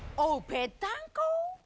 ぺったんこ。